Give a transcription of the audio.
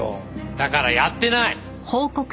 だからやってない！